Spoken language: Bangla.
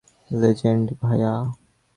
লেজেন্ড, ভায়া।